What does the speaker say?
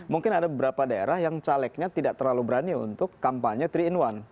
mungkin ada beberapa daerah yang calegnya tidak terlalu berani untuk kampanye tiga in satu